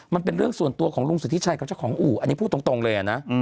มันเป็นเรื่องส่วนตัวของลุงสิทธิชัยกับเจ้าของอู่อันนี้พูดตรงเลยนะ